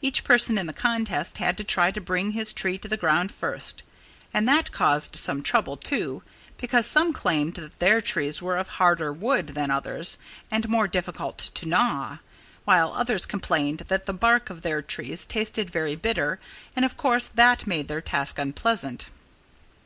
Each person in the contest had to try to bring his tree to the ground first. And that caused some trouble, too, because some claimed that their trees were of harder wood than others and more difficult to gnaw while others complained that the bark of their trees tasted very bitter, and of course that made their task unpleasant.